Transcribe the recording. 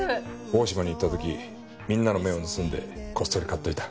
大島に行った時みんなの目を盗んでこっそり買っておいた。